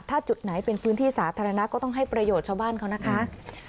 ถ้าจุดไหนเป็นพื้นที่สาธารณะก็ต้องให้ประโยชน์ชาวบ้านเขานะคะ